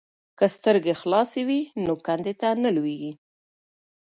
که سترګې خلاصې وي نو کندې ته نه لویږي.